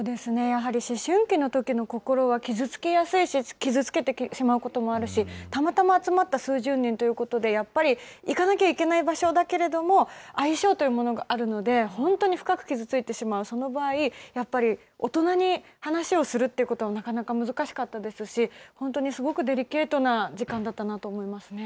やはり思春期のときの心は傷つきやすいし、傷つけてしまうこともあるし、たまたま集まった数十年ということで、やっぱり、行かなきゃいけない場所だけれども、相性というものがあるので、本当に深く傷ついてしまう、その場合、やっぱり、大人に話をするっていうことはなかなか難しかったですし、本当にすごくデリケートな時間だったなと思いますね。